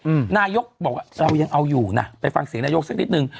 อืมนายกบอกว่าเรายังเอาอยู่น่ะไปฟังเสียงนายกสักนิดนึง